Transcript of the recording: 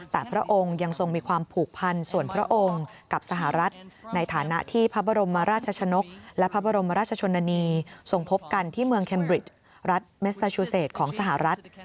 แต่พระองค์ยังทรงมีความผูกพันส่วนพระองค์กับสหรัฐในฐานะที่พระบรมราชชนกและพระบรมราชชนนานีทรงพบกันที่เมืองเคมบริตรัฐเมซาชูเศษของสหรัฐ